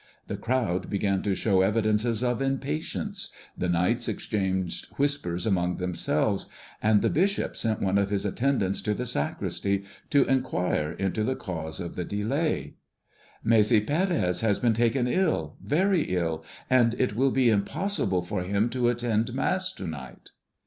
The crowd began to show evidences of impatience; the knights exchanged whispers among themselves; and the bishop sent one of his attendants to the sacristy to inquire into the cause of the delay. "Maese Pérez has been taken ill, very ill; and it will be impossible for him to attend Mass to night."